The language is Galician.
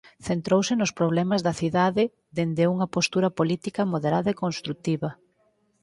Centrouse nos problemas da cidade dende unha postura política moderada e construtiva.